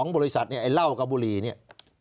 ๒บริษัทไอ้เล่ากับบุหรี่นี่